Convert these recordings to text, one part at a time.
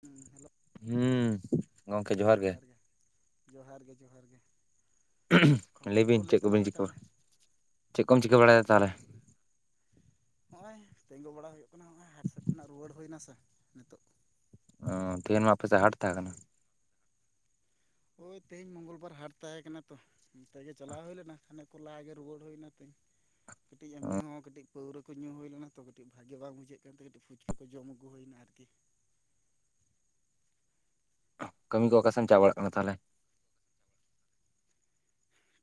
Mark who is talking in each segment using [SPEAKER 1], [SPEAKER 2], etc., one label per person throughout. [SPEAKER 1] ᱦᱩᱸ ᱦᱮᱞᱳ ᱾
[SPEAKER 2] ᱦᱩᱸᱻ
[SPEAKER 1] ᱡᱚᱦᱟᱨ ᱜᱮ ᱡᱚᱦᱟᱨ ᱜᱮ ᱡᱚᱦᱟᱨ ᱜᱮ ᱾
[SPEAKER 2] ᱞᱟᱹᱭ ᱵᱤᱱ ᱪᱮᱫ ᱠᱚᱵᱤᱱ ᱪᱤᱠᱟᱹ ᱪᱮᱫ ᱠᱚᱢ ᱪᱤᱠᱟᱹ ᱵᱟᱲᱟᱭᱟ ᱛᱟᱦᱚᱞᱮ?
[SPEAKER 1] ᱦᱚᱸᱜᱼᱚᱭ ᱛᱤᱸᱜᱩ ᱵᱟᱲᱟ ᱦᱩᱭᱩᱜ ᱠᱟᱱᱟ ᱦᱚᱸᱜᱼᱚᱭ ᱦᱟᱴ ᱥᱮᱫ ᱠᱷᱚᱱᱟᱜ ᱨᱩᱣᱟᱹᱲ ᱦᱩᱭᱱᱟ ᱥᱮ ᱱᱤᱛᱚᱜ ᱾
[SPEAKER 2] ᱚ ᱛᱮᱦᱮᱧ ᱢᱟ ᱟᱯᱮᱥᱮᱫ ᱦᱟᱴ ᱛᱟᱦᱮᱸ ᱠᱟᱱᱟ ᱾
[SPEAKER 1] ᱦᱚᱭ ᱛᱮᱦᱮᱧ ᱢᱚᱝᱜᱚᱞᱵᱟᱨ ᱦᱟᱴ ᱛᱟᱦᱮᱸ ᱠᱟᱱᱟ ᱛᱚ ᱾ ᱚᱱᱛᱮᱜᱮ ᱪᱟᱞᱟᱣ ᱦᱩᱭ ᱞᱮᱱᱟ ᱠᱷᱟᱱᱮᱠ ᱠᱷᱚᱱ ᱞᱟᱦᱟ ᱜᱮ ᱨᱩᱣᱟᱹᱲ ᱦᱩᱭᱱᱟ ᱛᱤᱧ ᱠᱟᱹᱴᱤᱡ ᱮᱢᱱᱤ ᱦᱚᱸ ᱠᱟᱹᱴᱤᱡ ᱯᱟᱹᱣᱨᱟᱹ ᱠᱚ ᱧᱩ ᱦᱩᱭ ᱞᱮᱱᱟ ᱛᱚ ᱠᱟᱹᱴᱤᱡ ᱵᱷᱟᱹᱜᱤ ᱵᱟᱝ ᱵᱩᱡᱷᱟᱹᱜ ᱠᱟᱱᱛᱮ ᱠᱟᱹᱴᱤᱡ ᱯᱷᱩᱪᱠᱟᱹ ᱠᱚ ᱡᱚᱢ ᱟᱹᱜᱩ ᱦᱩᱭᱮᱱᱟ ᱟᱨᱠᱤ ᱾
[SPEAKER 2] ᱠᱟᱹᱢᱤ ᱠᱚ ᱚᱠᱟᱥᱮᱱ ᱪᱟ ᱵᱟᱲᱟᱜ ᱠᱟᱱᱟ ᱛᱟᱦᱚᱞᱮ?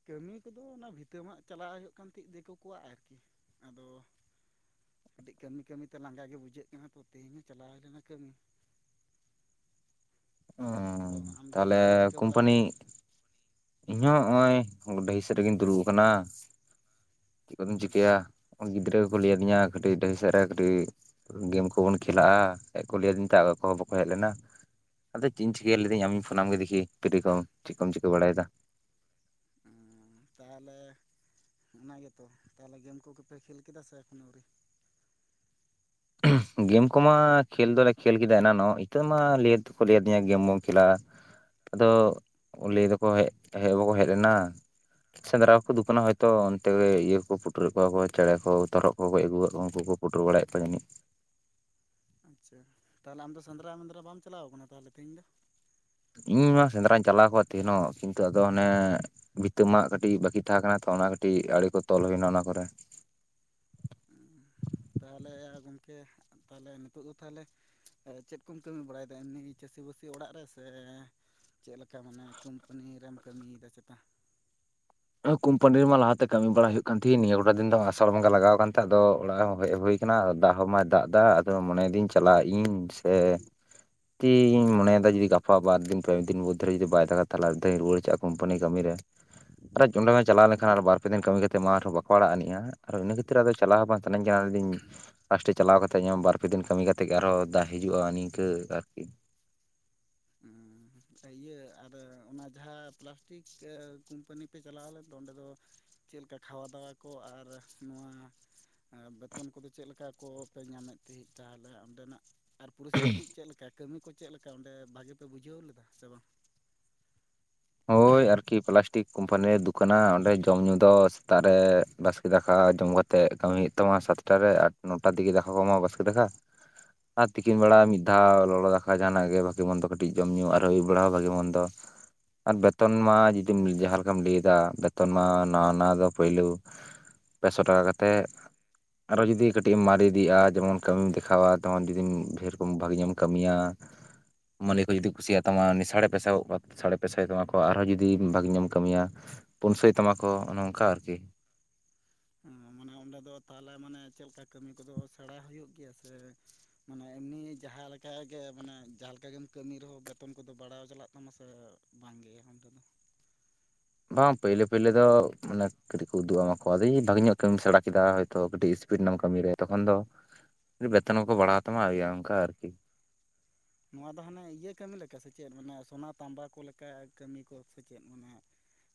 [SPEAKER 1] ᱠᱟᱹᱢᱤ ᱠᱚᱫᱚ ᱚᱱᱟ ᱵᱷᱤᱛᱟᱹ ᱢᱟᱜ ᱪᱟᱞᱟᱣ ᱦᱩᱭᱩᱜ ᱠᱟᱱᱛᱮ ᱫᱤᱠᱩ ᱠᱚᱣᱟᱜ ᱟᱨᱠᱤ ᱟᱫᱚ ᱠᱟᱹᱴᱤᱡ ᱠᱟᱹᱢᱤ ᱠᱟᱹᱢᱤᱛᱮ ᱞᱟᱸᱜᱟ ᱜᱮ ᱵᱩᱡᱷᱟᱹᱜ ᱠᱟᱱᱟ ᱛᱚ ᱛᱮᱦᱤᱧ ᱦᱚᱸᱪᱟᱞᱟᱣ ᱞᱮᱱᱟ ᱠᱟᱹᱢᱤ ᱾
[SPEAKER 2] ᱚᱸᱻ
[SPEAKER 1] ᱟᱫᱚ ᱟᱢᱜᱮ
[SPEAKER 2] ᱛᱟᱦᱞᱮ
[SPEAKER 1] ᱪᱮᱫ ᱠᱚᱢ ᱪᱤᱠᱟᱹ
[SPEAKER 2] ᱠᱳᱢᱯᱟᱱᱤ
[SPEAKER 1] ᱵᱟᱲᱟᱭᱮᱫᱟ
[SPEAKER 2] ᱤᱧ ᱦᱚᱸ ᱱᱚᱜᱼᱚᱭ ᱰᱟᱹᱦᱤ ᱥᱮᱫ ᱨᱮᱜᱤᱧ ᱫᱩᱲᱩᱵ ᱟᱠᱟᱱᱟ ᱾ ᱪᱮᱫ ᱠᱚᱫᱚᱢ ᱪᱤᱠᱟᱹᱭᱟ
[SPEAKER 1] ᱟᱪᱪᱷᱟ
[SPEAKER 2] ᱜᱤᱫᱽᱨᱟᱹ ᱠᱚ ᱞᱟᱹᱭ ᱟᱹᱫᱤᱧᱟ ᱠᱟᱹᱴᱤᱡ ᱰᱟᱹᱦᱤ ᱥᱮᱫ ᱨᱮ ᱠᱟᱹᱴᱤᱡ ᱜᱮᱢ ᱠᱚᱵᱚᱱ ᱠᱷᱮᱞᱟᱜᱼᱟ ᱦᱮᱡ ᱠᱚ ᱞᱟᱹᱭ ᱟᱹᱫᱤᱧ ᱛᱟᱦᱮᱸ ᱟᱠᱚ ᱦᱚᱸ ᱵᱟᱠᱚ ᱦᱮᱡ ᱞᱮᱱᱟ ᱾ ᱟᱫᱚ ᱪᱮᱫ ᱤᱧ ᱪᱤᱠᱟᱹᱭ ᱞᱮᱫᱟᱹᱧ ᱟᱢᱤᱧ ᱯᱷᱳᱱᱟᱢ ᱜᱮ ᱫᱮᱠᱷᱤ ᱯᱮᱰᱤ ᱠᱚᱢ ᱪᱮᱫ ᱠᱚᱢ ᱪᱤᱠᱟᱹ ᱵᱟᱲᱟᱭᱮᱫᱟ ᱾
[SPEAKER 1] ᱦᱚᱸ ᱛᱟᱦᱚᱞᱮ ᱚᱱᱟᱜᱮᱛᱚ ᱛᱟᱦᱚᱞᱮ ᱜᱮᱢ ᱠᱚᱜᱚ ᱯᱮ ᱠᱷᱮᱞ ᱠᱮᱫᱟ ᱥᱮ ᱮᱠᱷᱚᱱ ᱟᱹᱣᱨᱤ?
[SPEAKER 2] ᱜᱮᱢ ᱠᱚᱢᱟ ᱠᱷᱮᱞ ᱫᱚᱞᱮ ᱠᱷᱮᱞ ᱠᱮᱫᱟ ᱮᱱᱟᱱᱚᱜ ᱱᱤᱛᱟᱹ ᱢᱟ ᱞᱟᱹᱭ ᱛᱮᱠᱚ ᱞᱟᱹᱭ ᱟᱹᱫᱤᱧᱟ ᱜᱮᱢ ᱵᱚᱢ ᱠᱷᱮᱞᱟ ᱾ ᱟᱫᱚ ᱞᱟᱹᱭ ᱫᱟᱠᱚ ᱦᱮ ᱦᱮᱡ ᱫᱚᱠᱚ ᱦᱮᱡ ᱮᱱᱟ ᱾ ᱥᱮᱸᱫᱽᱨᱟ ᱠᱚᱠᱚ ᱫᱩᱵᱠᱟᱱᱟ ᱦᱚᱭᱛᱳ ᱚᱱᱛᱮ ᱤᱭᱟᱹ ᱠᱚ ᱯᱩᱴᱩᱨᱮᱫ ᱠᱚᱣᱟ ᱠᱚ ᱪᱮᱬᱮ ᱠᱚ ᱛᱚᱨᱦᱚᱫ ᱠᱚᱠᱚ ᱜᱚᱡ ᱟᱹᱜᱩᱣᱟᱠᱟᱜ ᱠᱚᱣᱟ ᱩᱱᱠᱩ ᱠᱚ ᱯᱳᱴᱳᱨ ᱵᱟᱲᱟᱭᱮᱫ ᱠᱚ ᱡᱟᱱᱤᱡ᱾
[SPEAKER 1] ᱟᱪᱪᱷᱟ ᱛᱟᱦᱚᱞᱮ ᱟᱢ ᱫᱚ ᱥᱮᱸᱫᱽᱨᱟ ᱢᱩᱸᱫᱽᱨᱟ ᱵᱟᱢ ᱪᱟᱞᱟᱣ ᱠᱟᱱᱟ ᱛᱟᱦᱚᱞᱮ ᱛᱮᱦᱤᱧ ᱫᱚ?
[SPEAKER 2] ᱤᱧ ᱢᱟ ᱥᱮᱸᱫᱽᱨᱟᱧ ᱪᱟᱞᱟᱣ ᱠᱚᱜᱼᱟ ᱛᱟᱦᱮᱸᱱᱚᱜ ᱠᱤᱱᱛᱩ ᱟᱫᱚ ᱚᱱᱮ ᱵᱷᱤᱛᱟᱹ ᱢᱟᱜ ᱠᱟᱹᱴᱤᱡ ᱵᱟᱠᱤ ᱛᱟᱦᱮᱸ ᱠᱟᱱᱟ ᱛᱚ ᱚᱱᱟ ᱠᱟᱹᱴᱤᱡ ᱟᱲᱮ ᱠᱚ ᱛᱚᱞ ᱦᱩᱭᱱᱟ ᱚᱱᱟ ᱠᱚᱨᱮ᱾
[SPEAKER 1] ᱩᱸ ᱛᱟᱦᱚᱞᱮ ᱜᱚᱝᱠᱮ ᱛᱟᱦᱚᱞᱮ ᱱᱤᱛᱚᱜ ᱫᱚ ᱛᱟᱦᱚᱞᱮ ᱮ ᱪᱮᱫ ᱠᱚᱢ ᱠᱟᱹᱢᱤ ᱵᱟᱲᱟᱭᱮᱫᱟ ᱮᱢᱱᱤ ᱪᱟᱹᱥᱤᱼᱵᱟᱹᱥᱤ ᱚᱲᱟᱜ ᱨᱮ ᱥᱮ ᱪᱮᱫ ᱞᱮᱠᱟ ᱢᱟᱱᱮ ᱠᱳᱢᱯᱟᱱᱤ ᱨᱮᱢ ᱠᱟᱹᱢᱤᱭᱫᱟ ᱪᱮᱛᱟ?
[SPEAKER 2] ᱦᱚᱸ ᱠᱳᱢᱯᱟᱱᱤ ᱨᱮᱢᱟ ᱞᱟᱦᱟᱛᱮ ᱠᱟᱹᱢᱤ ᱵᱟᱲᱟ ᱦᱩᱭᱩᱜ ᱠᱟᱱ ᱛᱟᱦᱮᱸ ᱱᱤᱭᱟᱹ ᱜᱚᱴᱟ ᱫᱤᱱ ᱫᱚ ᱟᱥᱟᱲ ᱵᱟᱝᱜᱟ ᱞᱟᱜᱟᱣ ᱠᱟᱱ ᱛᱮ ᱟᱫᱚ ᱚᱲᱟᱜᱦᱚ ᱦᱮᱡ ᱦᱩᱭ ᱠᱟᱱᱟ ᱫᱟᱜ ᱦᱚᱸ ᱢᱟᱭ ᱫᱟᱜ ᱮᱫᱟ ᱟᱫᱚ ᱢᱚᱱᱮᱭᱮᱫᱟᱹᱧ ᱪᱟᱞᱟᱜ ᱤᱧ ᱥᱮ ᱠᱤ ᱤᱧ ᱢᱚᱱᱮᱭᱟ ᱡᱩᱫᱤ ᱜᱟᱯᱟ ᱵᱟᱨᱫᱤᱱ ᱯᱮ ᱫᱤᱱ ᱢᱚᱡᱽᱫᱷᱮ ᱨᱮᱡᱩᱫᱤ ᱵᱟᱭ ᱫᱟᱜᱟ ᱛᱟᱦᱚᱮ ᱟᱨ ᱫᱷᱟᱧ ᱨᱩᱣᱟᱹᱲ ᱪᱟᱜᱼᱟ ᱠᱳᱢᱯᱟᱱᱤ ᱠᱟᱹᱢᱤ ᱨᱮ᱾
[SPEAKER 1] [inaudible]
[SPEAKER 2] ᱟᱨᱚᱪ ᱪᱟᱞᱟᱣ ᱞᱮᱠᱷᱟᱱ ᱟᱨ ᱵᱟᱨ ᱯᱮ ᱫᱤᱱ ᱠᱟᱹᱢᱤ ᱠᱟᱛᱮ ᱢᱟ ᱟᱨᱦᱚᱸ ᱵᱟᱠᱚ ᱟᱲᱟᱜ ᱟᱱᱤᱡᱼᱟ᱾ ᱟᱨᱚ ᱤᱱᱟᱹ ᱠᱷᱟᱹᱛᱤᱨ ᱟᱫᱚ ᱪᱟᱞᱟᱣ ᱦᱚᱸ ᱵᱟᱝ ᱥᱟᱱᱟᱧ ᱠᱟᱱᱟ ᱞᱮᱫᱤᱧ ᱞᱟᱥᱴᱮᱡ ᱪᱟᱞᱟᱣ ᱠᱟᱛᱮ ᱤᱧᱟᱜ ᱵᱟᱨᱯᱮ ᱫᱤᱱ ᱠᱟᱹᱢᱤ ᱠᱟ ᱠᱟᱛᱮᱫ ᱜᱮ ᱟᱨᱦᱚᱸ ᱫᱟᱜ ᱦᱤᱡᱩᱜᱼᱟ ᱱᱤᱝᱠᱟᱹ ᱟᱨᱠᱤ᱾
[SPEAKER 1] ᱩᱸ᱾ ᱤᱭᱟᱹ ᱟᱨ ᱚᱱᱟ ᱡᱟᱦᱟᱸ ᱯᱞᱟᱥᱴᱤᱠ ᱠᱳᱢᱯᱟᱱᱤ ᱯᱮ ᱪᱟᱞᱟᱣ ᱞᱮᱱ ᱫᱚ ᱚᱸᱰᱮ ᱫᱚ ᱪᱮᱫ ᱞᱮᱠᱟ ᱠᱷᱟᱣᱟ ᱫᱣᱟ ᱠᱚ ᱟᱨ ᱱᱚᱣᱟ ᱮᱸ ᱵᱮᱛᱚᱱ ᱠᱚᱫᱚ ᱪᱮᱫ ᱞᱮᱠᱟ ᱠᱚ ᱯᱮ ᱧᱟᱢᱮᱫ ᱛᱟᱦᱮᱸᱫ ᱛᱟᱦᱚᱞᱮ ᱚᱸᱰᱮᱱᱟᱜ ᱟᱨ ᱯᱚᱨᱤᱥᱛᱷᱤᱛᱤ ᱪᱮᱫ ᱞᱮᱠᱟ ᱠᱟᱹᱢᱤ ᱠᱚ ᱪᱮᱫ ᱞᱮᱠᱟ ᱚᱸᱰᱮ ᱵᱷᱟᱜᱤ ᱯᱮ ᱵᱩᱡᱷᱟᱹᱣ ᱞᱮᱫᱟ ᱥᱮ ᱵᱟᱝ?
[SPEAKER 2] ᱦᱳᱭ ᱟᱨ ᱠᱤ ᱯᱞᱟᱥᱴᱤᱠ ᱠᱳᱢᱯᱟᱱᱤ ᱨᱮ ᱫᱚᱠᱟᱱᱟ ᱚᱸᱰᱮ ᱡᱚᱢ ᱧᱩ ᱫᱚ ᱥᱮᱛᱟᱜ ᱨᱮ ᱵᱟᱥᱠᱮ ᱫᱟᱠᱟ ᱡᱚᱢ ᱠᱟ ᱛᱮᱜ ᱠᱟᱹᱢᱤ ᱦᱩᱭᱩᱜ ᱛᱟᱢᱟ ᱥᱟᱛᱴᱟ ᱨᱮ ᱟᱴ ᱱᱚᱴᱟ ᱫᱤᱜᱮ ᱫᱟᱠᱟ ᱠᱚ ᱮᱢᱚᱜᱼᱟ ᱵᱟᱥᱠᱮ ᱫᱟᱠᱟ, ᱟᱨ ᱛᱤᱠᱤᱱ ᱵᱮᱲᱟ ᱢᱤᱫ ᱫᱷᱟᱣ ᱞᱚᱞᱚ ᱫᱟᱠᱟ ᱡᱟᱦᱟᱸᱱᱟᱜ ᱜᱮ ᱵᱷᱟᱜᱮ ᱢᱚᱱ ᱫᱚ ᱠᱟᱹᱴᱤᱡ ᱡᱚᱢ ᱧᱩ ᱟᱨ ᱟᱹᱭᱩᱵ ᱵᱮᱲᱟ ᱦᱚᱸ ᱵᱷᱟᱜᱮ ᱢᱚᱱᱫᱚ᱾ ᱟᱨ ᱵᱮᱛᱚᱱ ᱢᱟ ᱡᱮ ᱡᱩᱫᱤᱢ ᱡᱟᱦᱟᱸ ᱞᱮᱠᱟᱢ ᱞᱟᱹᱭᱫᱟ ᱵᱮᱛᱚᱱ ᱢᱟ ᱱᱟᱣᱟ ᱱᱟᱣᱟ ᱫᱚ ᱯᱩᱭᱞᱩ ᱯᱮ ᱥᱚ ᱴᱟᱠᱟ ᱠᱟᱛᱮᱜ, ᱟᱨᱚ ᱡᱩᱫᱤ ᱠᱟᱹᱴᱤᱡ ᱮᱢ ᱢᱟᱨᱮ ᱤᱫᱤᱜᱼᱟ ᱡᱮᱢᱚᱱ ᱠᱟᱹᱢᱤᱢ ᱫᱮᱠᱷᱟᱣᱟ ᱛᱚᱢᱚᱱ ᱡᱩᱫᱤᱢ ᱰᱷᱮᱨ ᱠᱚ ᱵᱷᱟᱜᱮ ᱧᱚᱜ ᱮᱢ ᱠᱟᱹᱢᱤᱭᱟ, ᱢᱟᱹᱞᱤᱠ ᱦᱚᱸ ᱡᱩᱫᱤ ᱠᱩᱥᱤᱭᱟ ᱛᱟᱢᱟ ᱩᱱᱤ ᱥᱟᱲᱮ ᱯᱮᱥᱟᱭᱜᱚᱜ ᱠᱟᱜ ᱥᱟᱲᱮ ᱯᱮ ᱥᱚᱭ ᱛᱟᱢᱟᱠᱚ, ᱟᱨᱦᱚᱸ ᱡᱩᱫᱤ ᱵᱷᱟᱜᱮ ᱧᱚᱜ ᱮᱢ ᱠᱟᱹᱢᱤᱭᱟ ᱯᱩᱱᱥᱟᱹᱭ ᱛᱟᱢᱟᱠᱚ ᱚᱱᱮ ᱚᱱᱠᱟ ᱟᱨᱠᱤ᱾
[SPEAKER 1] ᱢᱟᱱᱮ ᱚᱸᱰᱮ ᱫᱚ ᱛᱟᱦᱚᱞᱮ ᱢᱟᱱᱮ ᱪᱮᱫ ᱞᱮᱠᱟ ᱠᱟᱹᱢᱤ ᱠᱚᱫᱚ ᱥᱮᱬᱟ ᱦᱩᱭᱩᱜ ᱜᱮᱭᱟ ᱥᱮ ᱢᱟᱱᱮ ᱮᱢᱱᱤ ᱡᱟᱦᱟᱸ ᱞᱮᱠᱟᱜ ᱜᱮ ᱢᱟᱱᱮ ᱡᱟᱦᱟᱸ ᱞᱮᱠᱟ ᱜᱮᱢ ᱠᱟᱹᱢᱤ ᱨᱮᱦᱚᱸ ᱵᱮᱛᱚᱱ ᱠᱚᱫᱚ ᱵᱟᱲᱟᱭ ᱪᱟᱞᱟᱜ ᱛᱟᱢᱟ ᱥᱮ ᱵᱟᱝ ᱜᱮ ᱚᱱᱛᱮ ᱫᱚ?
[SPEAKER 2] ᱵᱟᱝ ᱯᱳᱭᱞᱳ ᱯᱟᱹᱭᱞᱳ ᱫᱚ ᱢᱟᱱᱮ ᱠᱟᱹᱴᱤᱡ ᱠᱚ ᱩᱫᱩᱜ ᱟᱢᱟ ᱠᱚ ᱟᱫᱚ ᱵᱷᱟᱜᱮ ᱧᱚᱜ ᱠᱟᱹᱢᱤᱢ ᱥᱮᱲᱟ ᱠᱮᱫᱟ ᱦᱚᱭᱛᱳ ᱠᱟᱹᱴᱤᱡ ᱯᱷᱤᱴ ᱱᱟᱜ ᱠᱟᱹᱢᱤᱨ ᱨᱮ ᱛᱚᱠᱷᱚᱱ ᱫᱚ ᱵᱮᱛᱚᱱ ᱦᱚᱸ ᱠᱚ ᱵᱟᱲᱦᱟᱣ ᱛᱟᱢᱟ ᱤᱭᱟᱹ ᱚᱝᱠᱟ ᱟᱨᱠᱤ᱾
[SPEAKER 1] ᱱᱚᱣᱟ ᱫᱚ ᱦᱟᱸᱱᱮ ᱤᱭᱟᱹ ᱠᱟᱹᱢᱤ ᱞᱮᱠᱟ ᱥᱮᱪᱮᱫ ᱢᱟᱱᱮ ᱥᱚᱱᱟ ᱛᱟᱢᱵᱟ ᱠᱚ ᱞᱮᱠᱟ ᱠᱟᱹᱢᱤ ᱠᱚ ᱥᱮᱪᱮᱫ ᱢᱟᱱᱮ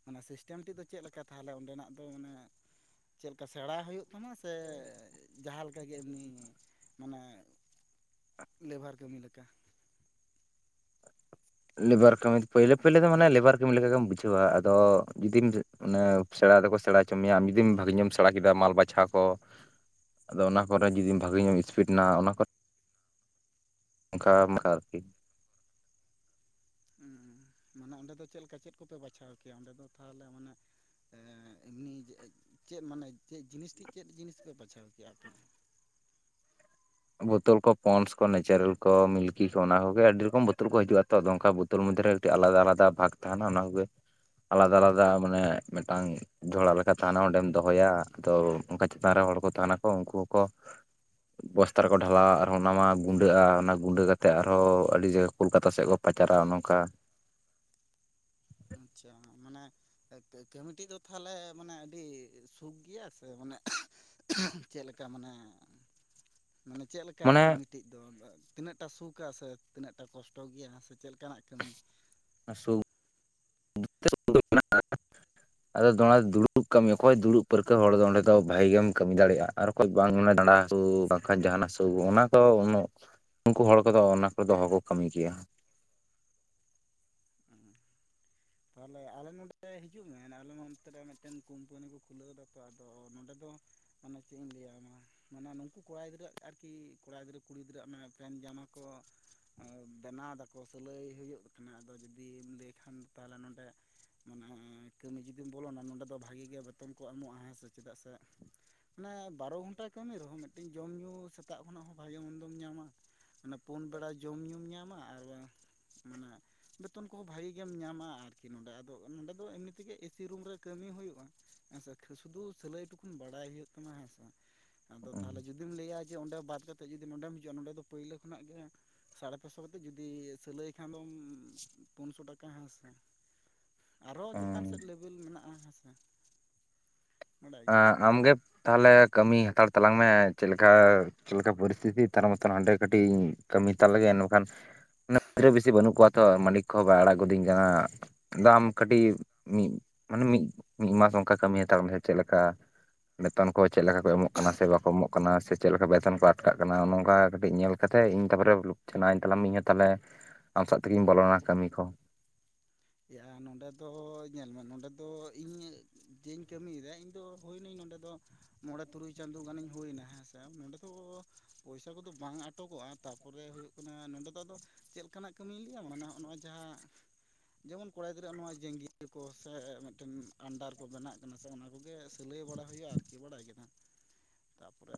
[SPEAKER 1] ᱚᱱᱟ ᱥᱤᱥᱴᱮᱢᱴᱤ ᱫᱚ ᱪᱮᱫ ᱞᱮᱠᱟ ᱛᱟᱦᱚᱞᱮ ᱚᱸᱰᱮᱱᱟᱜ ᱫᱚ ᱢᱟᱱᱮ ᱪᱮᱫ ᱞᱮᱠᱟ ᱥᱮᱬᱟ ᱦᱩᱭᱩᱜ ᱛᱟᱢᱟ ᱥᱮ ᱡᱟᱦᱟᱸᱞᱮ ᱞᱮᱠᱟ ᱜᱮ ᱮᱢᱱᱤ ᱢᱟᱱᱮ ᱞᱮᱵᱷᱟᱨ ᱠᱟᱹᱢᱤ ᱞᱮᱠᱟ?
[SPEAKER 2] ᱞᱮᱵᱟᱨ ᱠᱟᱹᱢᱤ ᱯᱟᱹᱭᱞᱮ ᱯᱟᱹᱭᱞᱮ ᱫᱚ ᱢᱟᱱᱮ ᱞᱮᱵᱟᱨ ᱠᱟᱹᱢᱤ ᱞᱮᱠᱟ ᱜᱮᱢ ᱵᱩᱡᱷᱟᱹᱣᱟ, ᱟᱫᱚ ᱡᱩᱫᱤᱢ ᱚᱱᱮ ᱥᱮᱬᱟ ᱫᱚᱠᱚ ᱥᱮᱬᱟ ᱦᱚᱪᱚ ᱢᱮᱭᱟ ᱟᱢ ᱡᱩᱫᱤᱢ ᱵᱷᱟᱹᱜᱤ ᱧᱚᱜᱼᱮᱢ ᱥᱬᱲᱟ ᱠᱮᱫᱟ ᱢᱟᱞ ᱵᱟᱪᱷᱟᱣ ᱠᱚ,
[SPEAKER 1] [inaudible]
[SPEAKER 2] ᱟᱫᱚ ᱚᱱᱟ ᱠᱚᱨᱮ ᱡᱩᱫᱤ ᱵᱷᱟᱜᱤ ᱧᱚᱜ ᱤᱥᱯᱤᱰ ᱮᱱᱟ ᱚᱱᱟ ᱠᱚᱨᱮ ᱚᱝᱠᱟ [unintelligible] ᱟᱨᱠᱤ᱾
[SPEAKER 1] ᱩᱸ ᱢᱟᱱᱮ ᱚᱸᱰᱮ ᱫᱚ ᱪᱮᱫ ᱞᱮᱠᱟ ᱪᱮᱫ ᱠᱚᱯᱮ ᱵᱟᱪᱷᱟᱣ ᱠᱮᱭᱟ ᱚᱸᱰᱮ ᱫᱚ ᱛᱟᱦᱚᱞᱮ ᱢᱟᱱᱮ ᱮᱸ ᱮᱢᱱᱤ ᱪᱮᱫ ᱢᱟᱱᱮ ᱪᱮᱫ ᱡᱤᱱᱤᱥ ᱴᱮᱡ ᱪᱮᱫ ᱡᱤᱱᱤᱥ ᱯᱮ ᱵᱟᱪᱷᱟᱣ ᱠᱮᱭᱟ ᱟᱯᱮ?
[SPEAKER 2] ᱵᱳᱛᱳᱞ ᱠᱚ ᱯᱚᱱᱥ ᱠᱚ ᱱᱮᱪᱟᱨᱚᱞ ᱠᱚ ᱢᱤᱞᱠᱤ ᱠᱚ ᱚᱱᱟ ᱠᱚᱜᱮ ᱟᱹᱰᱤ ᱨᱚᱠᱚᱢ ᱵᱳᱛᱚᱞ ᱠᱚ ᱦᱤᱡᱩᱜᱼᱟ ᱛᱚ ᱟᱫᱚ ᱚᱝᱠᱟ ᱵᱳᱛ ᱛᱳᱞ ᱢᱚᱫᱽᱫᱷᱮ ᱨᱮ ᱠᱟᱴᱤᱡ ᱟᱞᱟᱫᱟ ᱟᱞᱟᱫᱟ ᱵᱷᱟᱜᱽ ᱛᱟᱦᱮᱱᱟ ᱚᱱᱟ ᱠᱚᱜᱮ ᱟᱞᱟᱫᱟ ᱟᱞᱟᱫᱟ ᱢᱟᱱᱮ ᱢᱤᱫᱴᱟᱝ ᱡᱷᱚᱲᱟ ᱞᱮᱠᱟ ᱛᱟᱦᱮᱱᱟ ᱚᱸᱰᱮᱢ ᱫᱚᱦᱚᱭᱟ ᱟᱨ ᱠᱚᱫᱚ ᱚᱱᱠᱟ ᱪᱮᱛᱟᱱ ᱨᱮ ᱦᱚᱲ ᱠᱚ ᱛᱟᱦᱮᱱᱟᱠᱚ ᱩᱱᱠᱩ ᱠᱚ ᱵᱚᱥ ᱛᱟ ᱨᱮᱠᱚ ᱰᱷᱟᱞᱟᱣᱟ ᱟᱨᱦᱚᱸ ᱚᱱᱟ ᱜᱩᱸᱰᱟᱹᱜᱼᱟ ᱚᱱᱟ ᱜᱩᱸᱰᱟᱹ ᱠᱟᱛᱮᱫ ᱟᱨᱦᱚᱸ ᱟᱹᱰᱤ ᱡᱟᱭᱜᱟ ᱠᱳᱞᱠᱟᱛᱟ ᱥᱮᱫ ᱠᱚ ᱯᱟᱪᱟᱨᱟ ᱚᱱᱚᱝᱠᱟ᱾
[SPEAKER 1] ᱟᱪᱪᱷᱟ ᱦᱟᱸᱜ ᱢᱟᱱᱮ ᱠᱟ-ᱠᱟᱹᱢᱤᱴᱤ ᱫᱚ ᱛᱟᱦᱞᱮ ᱢᱟᱱᱮ ᱟᱹᱰᱤ ᱥᱩᱠ ᱜᱮᱭᱟ ᱥᱮ ᱢᱟᱱᱮ ᱪᱮᱫ ᱞᱮᱠᱟ ᱢᱟᱱᱮ ᱢᱟᱱᱮ ᱪᱮᱫ ᱞᱮᱠ ᱠᱟ
[SPEAKER 2] ᱢᱟᱱᱮ
[SPEAKER 1] ᱠᱟᱹᱢᱤᱴᱤᱡ ᱫᱚ ᱛᱤᱱᱟᱹᱜ ᱴᱟ ᱥᱩᱠᱟ ᱥᱮ ᱛᱤᱱᱟᱹᱜ ᱴᱟ ᱠᱚᱥᱴᱚ ᱜᱮᱭᱟ ᱥᱮ ᱪᱮᱫ ᱞᱮᱠᱟᱱᱟᱜ ᱠᱟᱹᱢᱤ?
[SPEAKER 2] ᱟᱥᱩ᱾ [unintelligible]
[SPEAKER 1] [inaudible]
[SPEAKER 2] ᱟᱫᱚ ᱫᱚ ᱚᱱᱟ ᱫᱚ ᱫᱩᱲᱩᱵ ᱠᱟᱹᱢᱤ᱾ ᱚᱠᱚᱭ ᱫᱩᱲᱩᱵ ᱯᱟᱹᱨᱠᱟᱹᱣ ᱦᱚᱲ ᱫᱚ ᱚᱸᱰᱮ ᱫᱚ ᱵᱷᱟᱜᱮ ᱜᱮᱢ ᱠᱟᱹᱢᱤ ᱫᱟᱲᱮᱭᱟᱜᱼᱟ ᱟᱨ ᱵᱟᱝ ᱢᱟᱱᱮ ᱰᱟᱸᱰᱟ ᱦᱟᱹᱥᱩ ᱵᱟᱝᱠᱷᱟᱡ ᱡᱟᱦᱟᱱ ᱦᱟᱹᱥᱩ ᱚᱱᱟ ᱠᱚ ᱩᱱᱟᱹᱜ ᱩᱱᱠᱩ ᱦᱚᱲ ᱠᱚᱫᱚ ᱚᱱᱟ ᱠᱚᱨᱮ ᱫᱚ ᱵᱟᱠᱚ ᱠᱟᱹᱢᱤ ᱠᱮᱭᱟ᱾
[SPEAKER 1] ᱚ᱾ ᱛᱟᱦᱚᱞᱮ ᱟᱞᱮ ᱱᱚᱰᱮ ᱦᱤᱡᱩᱜ ᱢᱮ ᱚᱱᱮ ᱟᱞᱮ ᱱᱚᱱᱛᱮ ᱨᱮ ᱢᱤᱫᱴᱮᱱ ᱠᱳᱢᱯᱟᱱᱤ ᱠᱚ ᱠᱷᱩᱞᱟᱹᱣ ᱫᱟ ᱛᱚ ᱟᱫᱚ ᱱᱚᱸᱰᱮ ᱫᱚ ᱢᱟᱱᱮ ᱪᱮᱫ ᱤᱧ ᱞᱟᱹᱭ ᱟᱢᱟ? ᱢᱟᱱᱮ ᱱᱩᱠᱩ ᱠᱚᱲᱟ ᱜᱤᱫᱽᱨᱟᱹ ᱟᱨᱠᱤ ᱠᱚᱲᱟ ᱜᱤᱫᱽᱨᱟᱹ ᱠᱩᱲᱤ ᱜᱤᱫᱽᱨᱟᱹᱣᱟᱜ ᱢᱟᱱᱮ ᱯᱮᱱᱴ ᱡᱟᱢᱟ ᱠᱚ ᱟ ᱵᱮᱱᱟᱣ ᱫᱟᱠᱚ ᱥᱤᱞᱟᱹᱭ ᱦᱩᱭᱩᱜ ᱠᱟᱱᱟ ᱟᱫᱚ ᱡᱩᱫᱤᱢ ᱞᱟᱹᱭ ᱠᱷᱟᱱ ᱛᱟᱦᱞᱮ ᱱᱚᱰᱮ ᱢᱟᱱᱮ ᱠᱟᱹᱢᱤ ᱡᱩᱫᱤᱢ ᱵᱚᱞᱚᱱᱟ ᱱᱚᱸᱰᱮ ᱫᱚ ᱵᱷᱟᱜᱮ ᱜᱮ ᱵᱮᱛᱚᱱ ᱠᱚ ᱮᱢᱚᱜᱼᱟ ᱦᱮᱸ ᱥᱮ ᱪᱮᱫᱟᱜ ᱥᱮ ᱢᱟᱱᱮ ᱵᱟᱨᱚ ᱜᱷᱚᱱᱴᱟ ᱠᱟᱹᱢᱤ ᱨᱮᱦᱚᱸ ᱢᱤᱫᱴᱮᱱ ᱡᱚᱢ ᱧᱩ ᱥᱮᱛᱟᱜ ᱠᱷᱚᱱᱟᱜ ᱦᱚᱸ ᱵᱷᱟᱜᱮ ᱢᱚᱱᱫᱚᱢ ᱧᱟᱢᱟ᱾ ᱢᱟᱱᱮ ᱯᱩᱱ ᱵᱮᱲᱟ ᱡᱚᱢ ᱧᱩᱢ ᱧᱟᱢᱟ ᱟᱨ ᱵᱟᱝ ᱢᱟᱱᱮ ᱵᱮᱛᱚᱱ ᱠᱚᱦᱚᱸ ᱵᱷᱟᱜᱮ ᱜᱮᱢ ᱧᱟᱢᱟ ᱟᱨᱠᱤ ᱱᱚᱰᱮ ᱟᱫᱚ ᱱᱚᱰᱮ ᱫᱚ ᱮᱢᱱᱤ ᱛᱮᱜᱮ ᱮᱥᱤ ᱨᱩᱢ ᱨᱮ ᱠᱟᱹᱢᱤ ᱦᱩᱭᱩᱜᱼᱟ᱾ ᱦᱮᱸᱥᱮ ᱠᱦᱟ ᱥᱫᱩ ᱥᱤᱞᱟᱹᱭ ᱴᱩᱠᱩᱱ ᱵᱟᱲᱟᱭ ᱦᱩᱭᱩᱜ ᱛᱟᱢᱟ ᱦᱮᱸᱥᱮ ᱵᱟᱝ᱾ ᱟᱫᱚ ᱛᱟᱦᱚᱞᱮ ᱡᱩᱫᱤ ᱡᱩᱫᱤᱢ ᱞᱟᱹᱭᱟ ᱡᱮ ᱚᱸᱰᱮ ᱵᱟᱫ ᱠᱟᱛᱮᱫ ᱡᱩᱫᱤ ᱱᱚᱰᱮᱢ ᱦᱤᱡᱩᱜᱼᱟ ᱱᱚᱸᱰᱮ ᱫᱚ ᱯᱳᱭᱞᱳ ᱠᱷᱚᱱᱟᱜ ᱜᱮ ᱥᱟᱲᱮ ᱯᱮᱥᱚ ᱠᱟᱛᱮᱫ᱾ ᱡᱩᱫᱤ ᱥᱤᱟᱹᱞᱟᱹᱭ ᱠᱷᱟᱱ ᱫᱚᱢ ᱯᱩᱱᱥᱚ ᱴᱟᱠᱟ ᱦᱮᱸ ᱥᱮ᱾ ᱟᱨᱦᱚᱸ ᱪᱮᱛᱟᱱ ᱥᱮᱫ ᱞᱮᱵᱮᱞ ᱢᱮᱱᱟᱜᱼᱟ ᱦᱮᱸᱥᱮ᱾ ᱵᱟᱰᱟᱭ ᱜᱮ
[SPEAKER 2] ᱟ ᱟᱢ ᱜᱮ ᱛᱟᱦᱚᱞᱮ ᱠᱟᱹᱢᱤ ᱦᱟᱛᱟᱲ ᱛᱟᱞᱟᱝ ᱢᱮ ᱪᱮᱫ ᱞᱮᱠᱟ ᱪᱮᱫ ᱞᱮᱠᱟ ᱯᱚᱨᱤᱥᱛᱷᱤᱛᱤ ᱛᱟᱨ ᱢᱚᱛᱚᱱ ᱦᱟᱸᱰᱮ ᱠᱟᱹᱴᱤᱧ ᱠᱟᱹᱢᱤ ᱦᱟᱛᱟᱲ ᱞᱮᱜᱮ ᱢᱮᱱᱢᱮᱠᱷᱟᱱ ᱱᱮ ᱜᱤᱫᱽᱨᱟᱹ ᱵᱮᱥᱤ ᱵᱟᱹᱱᱩᱜ ᱠᱚᱣᱟ ᱛᱚ ᱢᱟᱹᱞᱤᱠ ᱠᱚᱦᱚᱸ ᱵᱟᱭ ᱟᱲᱟᱜ ᱜᱩᱚᱫᱤᱧ ᱠᱟᱱᱟ᱾ ᱟᱫᱚ ᱟᱢ ᱠᱟᱹᱴᱤᱡ ᱢᱤᱫ ᱢᱟᱱᱮ ᱢᱤᱫ ᱢᱤᱫ ᱢᱟᱥ ᱚᱱᱠᱟ ᱠᱟᱹᱢᱤ ᱦᱟᱛᱟᱲ ᱢᱮᱥᱮ᱾ ᱪᱮᱫ ᱞᱮᱠᱟ ᱵᱮᱛᱚᱱ ᱠᱚ ᱪᱮᱫ ᱞᱮᱠᱟ ᱠᱚ ᱮᱢᱚᱜ ᱠᱟᱱᱟ ᱥᱮ ᱵᱟᱠᱚ ᱮᱢᱚᱜ ᱠᱟᱱᱟ ᱥᱮ ᱪᱮᱫ ᱞᱮᱠᱟ ᱵᱮᱛᱚᱱ ᱠᱚ ᱟᱴᱠᱟᱜ ᱠᱟᱱᱟ ᱱᱚᱚᱝᱠᱟ ᱠᱟᱹᱴᱤᱡ ᱧᱮᱞ ᱠᱟᱛᱮ ᱤᱧ ᱛᱟᱨᱰᱚᱨᱮ ᱪᱟᱱᱟᱣᱟᱹᱧ ᱛᱟᱞᱟᱝ ᱢᱮ᱾ ᱤᱧ ᱦᱚᱸ ᱛᱟᱦᱚᱞᱮ ᱟᱢ ᱥᱟᱜ ᱛᱮᱜᱮᱧ ᱵᱚᱞᱚᱱᱟ ᱠᱟᱹᱢᱤ ᱠᱚ᱾
[SPEAKER 1] ᱮ ᱟ ᱱᱚᱸᱰᱮ ᱫᱚ ᱧᱮᱞ ᱢᱮ ᱱᱚᱸᱰᱮ ᱫᱚ ᱤᱧ ᱡᱮᱧ ᱠᱟᱹᱢᱤᱭᱮᱫᱟ ᱤᱧ ᱫᱚ ᱦᱩᱭᱱᱟᱹᱧ ᱱᱚᱸᱰᱮ ᱫᱚ ᱢᱚᱸᱬᱮ ᱛᱩᱨᱩᱭ ᱪᱟᱸᱫᱳ ᱜᱟᱱᱤᱧ ᱦᱩᱭᱱᱟ ᱦᱮᱸᱥ᱾ ᱱᱚᱸᱰᱮ ᱫᱚ ᱯᱚᱭᱥᱟ ᱠᱚᱫᱚ ᱵᱟᱝ ᱟᱴᱚᱠᱚᱜᱼᱟ ᱛᱟᱨᱯᱚᱨᱮ ᱦᱩᱭᱩᱜ ᱠᱟᱱᱟ ᱱᱚᱸᱰᱮ ᱫᱚ ᱟᱫᱚ ᱪᱮᱫ ᱞᱮᱠᱟᱱᱟᱜ ᱠᱟᱹᱢᱤᱧ ᱞᱟᱹᱭᱟᱢ ᱠᱟᱱᱟ ᱱᱚᱜᱼᱚᱭ ᱡᱟᱦᱟᱸ ᱡᱮᱢᱚᱱ ᱠᱚᱲᱟ ᱜᱤᱫᱽᱨᱟᱹᱣᱟᱜ ᱱᱚᱣᱟ ᱡᱮᱝᱜᱤᱭᱟ ᱠᱚ ᱥᱮ ᱢᱤᱫᱴᱮᱱ ᱟᱱᱰᱟᱨ ᱠᱚ ᱵᱮᱱᱟᱜ ᱠᱟᱱᱟ ᱥᱮ ᱚᱱᱟ ᱠᱚᱜᱮ ᱥᱤᱞᱟᱹᱭ ᱵᱟᱲᱟ ᱦᱩᱭᱩᱜᱼᱟ ᱟᱨᱠᱤ᱾ ᱠᱮ ᱵᱟᱲᱟᱭ ᱠᱮᱫᱟ ᱛᱟᱯᱚᱨᱮ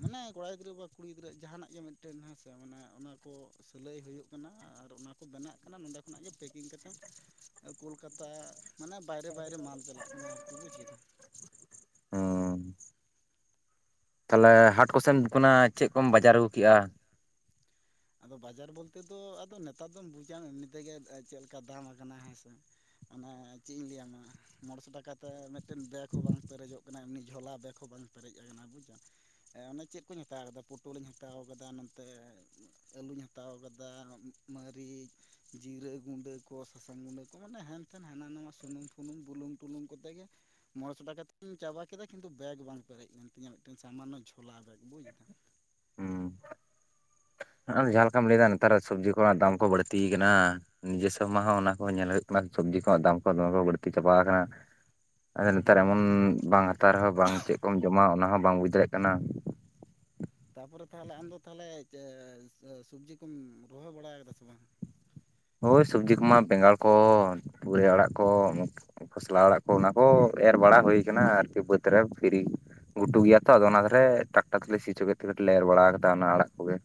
[SPEAKER 1] ᱢᱟᱱᱮ ᱠᱚᱲᱟ ᱜᱤᱫᱽᱨᱟᱹ ᱵᱟ ᱠᱩᱲᱤ ᱜᱤᱫᱽᱨᱟᱹ ᱡᱟᱦᱟᱱᱟᱜ ᱜᱮ ᱢᱤᱫᱴᱮᱱ ᱦᱮᱸᱥᱮ ᱢᱟᱱᱮ ᱚᱱᱟ ᱠᱚ ᱥᱤᱞᱟᱹᱭ ᱦᱩᱭᱩᱜ ᱠᱟᱱᱟ ᱟᱨ ᱚᱱᱟ ᱠᱚ ᱵᱮᱱᱟᱜ ᱠᱟᱱᱟ ᱱᱚᱰᱮ ᱠᱷᱚᱱᱟᱜ ᱜᱮ ᱯᱮᱠᱤᱝ ᱠᱟᱛᱮ᱾ ᱠᱳᱞᱠᱟᱛᱟ ᱢᱟᱱᱮ ᱵᱟᱭᱨᱮ ᱵᱟᱭᱨᱮ ᱢᱟᱞ ᱪᱟᱞᱟᱜ ᱠᱟᱱᱟ ᱟᱨᱠᱤ ᱵᱩᱡᱽ ᱠᱮᱫᱟ᱾
[SPEAKER 2] ᱦᱚᱸᱻ᱾ ᱛᱟᱦᱚᱞᱮ ᱦᱟᱴ ᱠᱚᱥᱮᱱ ᱠᱷᱚᱱᱟᱜ ᱪᱮᱫ ᱠᱚᱢ ᱵᱟᱡᱟᱨ ᱟᱹᱜᱩ ᱠᱮᱜᱼᱟ?
[SPEAKER 1] ᱟᱫᱚ ᱵᱟᱡᱟᱨ ᱵᱚᱞᱛᱮ ᱫᱚ ᱟᱫᱚ ᱱᱮᱛᱟᱨ ᱫᱚᱢ ᱵᱩᱡᱟ ᱮᱢᱱᱤ ᱛᱮᱜᱮ ᱪᱮᱱ ᱞᱮᱠᱟ ᱫᱟᱢ ᱠᱟᱱᱟ ᱦᱮᱸ ᱥᱮ᱾ ᱚᱱᱮ ᱪᱮᱜ ᱤᱧ ᱞᱟᱹᱭᱟᱢᱟ ᱢᱚᱬᱮ ᱥᱚ ᱴᱟᱠᱟᱛᱮ ᱢᱤᱫᱴᱮᱱ ᱵᱮᱜᱽ ᱦᱚᱸ ᱵᱟᱝ ᱯᱮᱨᱮᱡᱚᱜ ᱮᱢᱱᱤ ᱡᱷᱚᱞᱟ ᱵᱮᱜᱽ ᱦᱚᱸ ᱵᱟᱝ ᱯᱮᱨᱮᱡ ᱟᱠᱟᱱᱟ ᱵᱩᱡᱽ ᱟᱢ᱾ ᱚᱱᱮ ᱪᱮᱱ ᱠᱚᱧ ᱦᱟᱛᱟᱣ ᱠᱟᱫᱟ ᱯᱳᱚᱴᱚᱞ ᱤᱧ ᱦᱟᱛᱟᱣ ᱠᱟᱫᱟ ᱱᱚᱱᱛᱮ ᱟᱹᱞᱩᱧ ᱦᱟᱛᱟᱣ ᱠᱟᱫᱟ ᱢᱟᱹᱨᱤᱪ ᱡᱤᱨᱟᱹ ᱜᱩᱰᱟᱹ ᱠᱚ ᱥᱟᱥᱟᱝ ᱜᱩᱰᱟᱹ ᱠᱚ ᱢᱟᱱᱮ ᱦᱮᱱᱛᱮᱷᱮᱱ ᱦᱟᱱᱟ ᱱᱟᱣᱟ ᱥᱩᱱᱩᱢ ᱯᱷᱩᱱᱩᱢ ᱵᱩᱞᱩᱝ ᱴᱩᱞᱩᱝ ᱠᱚᱛᱮ ᱜᱮ ᱢᱚᱬᱮᱥᱚ ᱴᱟᱠᱟ ᱛᱤᱧ ᱪᱟᱵᱟ ᱠᱮᱫᱟ ᱠᱤᱱᱛᱩ ᱵᱮᱜᱽ ᱵᱟᱝ ᱯᱮᱨᱮᱡ ᱞᱮᱱ ᱛᱤᱧᱟ, ᱢᱤᱫᱴᱟᱝ ᱥᱟᱢᱟᱱᱱᱚ ᱡᱷᱚᱞᱟ ᱵᱮᱜᱽ ᱵᱩᱡ ᱮᱫᱟᱢ᱾ [inaudible]
[SPEAKER 2] ᱟᱨ ᱡᱟᱦᱟᱸ ᱞᱮᱠᱟᱢ ᱞᱟᱹᱭᱫᱟ ᱱᱮᱛᱟᱨᱟᱜ ᱥᱚᱵᱽᱡᱤ ᱠᱚᱨᱮᱱᱟᱜ ᱫᱟᱢ ᱠᱚ ᱵᱟᱹᱲᱛᱤ ᱠᱟᱱᱟ᱾ ᱱᱤᱡᱮᱥᱥᱚ ᱢᱟ ᱦᱚᱸ ᱚᱱᱟ ᱠᱚ ᱧᱮᱞ ᱦᱩᱭᱩᱜ ᱠᱟᱱᱟ ᱥᱚᱵᱽᱡᱤ ᱠᱚ ᱫᱟᱢ ᱠᱚ ᱫᱚᱢᱮ ᱠᱚ ᱵᱟᱹᱲ ᱛᱤ ᱪᱟᱵᱟ ᱟᱠᱟᱱᱟ ᱟᱫᱚ ᱱᱮᱛᱟᱨ ᱮᱢᱚᱱ
[SPEAKER 1] ᱦᱩᱸ
[SPEAKER 2] ᱵᱟᱝ ᱦᱟᱛᱟᱣ ᱨᱮᱦᱚᱸ ᱵᱟᱝ ᱪᱮᱫ ᱠᱚᱢ ᱡᱚᱢᱟ ᱚᱱᱟ ᱦᱚᱸ ᱵᱟᱝ ᱵᱩᱡ ᱫᱟᱲᱭᱟᱜ ᱠᱟᱱᱟ᱾
[SPEAKER 1] ᱛᱟᱯᱚᱨᱮ ᱛᱟᱦᱞᱮ ᱟᱢ ᱫᱚ ᱛᱟᱦᱞᱮ ᱪᱮ ᱥᱚᱵᱽᱡᱤ ᱠᱚᱢ ᱨᱚᱦᱚᱭ ᱵᱟᱲᱟ ᱟᱠᱟᱫᱟ ᱥᱮ ᱵᱟᱝ?
[SPEAKER 2] ᱦᱳᱭ ᱥᱚᱵᱽᱡᱤ ᱠᱚᱢᱟ ᱵᱮᱸᱜᱟᱲ ᱠᱚ ᱯᱩᱨᱟᱹᱭ ᱟᱲᱟᱜ ᱠᱚ᱾ ᱠᱷᱚᱥᱞᱟ ᱚᱲᱟᱜ ᱠᱚ ᱚᱱᱟ ᱠᱚ ᱮᱨ ᱵᱟᱲᱟ ᱦᱩᱭ ᱟᱠᱟᱱᱟ ᱟᱨᱠᱤ ᱵᱟᱹᱫᱽ ᱨᱮ ᱜᱤᱲᱤ ᱜᱷᱩᱴᱩ ᱜᱮᱭᱟ ᱛᱚ ᱟᱫᱚ ᱚᱱᱟ ᱫᱷᱟᱨᱮ ᱴᱨᱟᱠᱴᱟᱨ ᱛᱮᱞᱮ ᱥᱤ ᱦᱚᱪᱚ ᱠᱮᱜᱛᱮ ᱮᱨ ᱵᱟᱲᱟ ᱠᱟᱫᱟ ᱚᱱᱟ ᱟᱲᱟᱜ ᱠᱚᱜᱮ᱾